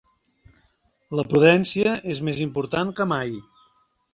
La prudència és més important que mai.